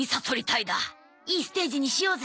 いいステージにしようぜ！